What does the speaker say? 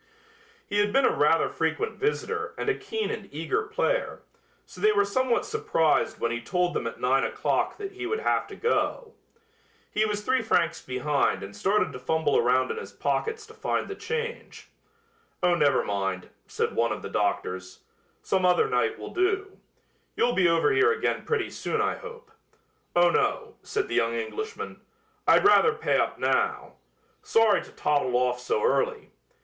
He had been a rather frequent visitor and a keen and eager player, so they were somewhat surprised when he told them at nine o'clock that he would have to go. He was three francs behind and started to fumble around in his pockets to find the change. "Oh, never mind," said one of the doctors. "Some other night will do. You'll be over here again pretty soon, I hope." "Oh, no," said the young Englishman, "I'd rather pay up now. Sorry to toddle off so early.